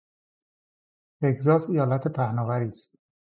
تگزاس ایالت پهناوری است.